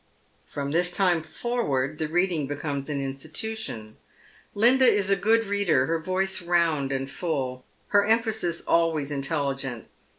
From this time forward the reading becomes an institution. Linda is a good reader, her voice round and full, her emphasis eluays intelligent.